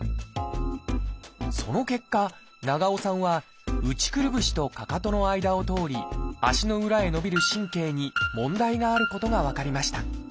その結果長尾さんは内くるぶしとかかとの間を通り足の裏へ伸びる神経に問題があることが分かりました。